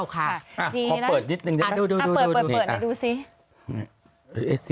ขอเปิดนิดนึงจะได้ไหมดูดูสิ